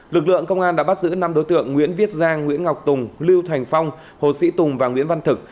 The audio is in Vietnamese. lực lượng công an đã bắt giữ năm đối tượng nguyễn viết giang nguyễn ngọc tùng lưu thành phong hồ sĩ tùng và nguyễn văn thực